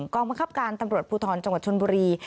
กรรมบังคับการตำรวจภูทรจังหวัดชนบุรี